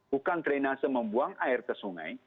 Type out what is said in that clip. bukan drainase membuang air ke sungai